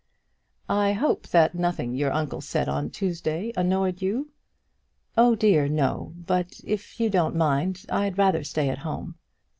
"I hope that nothing your uncle said on Tuesday annoyed you?" "Oh dear, no; but if you don't mind it, I'd rather stay at home."